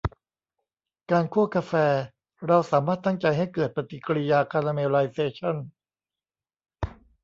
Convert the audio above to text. การคั่วกาแฟ เราสามารถตั้งใจให้เกิดปฏิกริยาคาราเมลไลเซชั่น